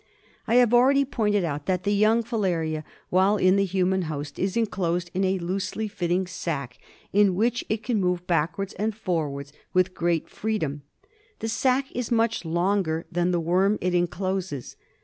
I have already pointed out that the young filaria while in the human host is enclosed in a loosely fitting sac in which it can move back wards and forwards with great freedom. The sac is much longer than the worm it encloses.